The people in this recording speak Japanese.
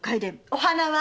お花は？